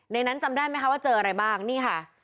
นั้นจำได้ไหมคะว่าเจออะไรบ้างนี่ค่ะ